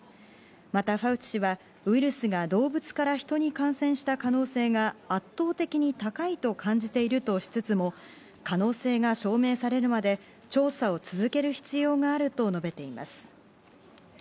またファウチ氏は、ウイルスが動物から人に感染した可能性が圧倒的に高いと感じているとしつつも可能性が証明されるまで調査を続ける必要があると述べています。